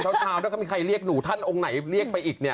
เช้าถ้ามีใครเรียกหนูท่านองค์ไหนเรียกไปอีกเนี่ย